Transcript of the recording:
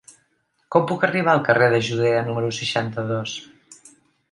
Com puc arribar al carrer de Judea número seixanta-dos?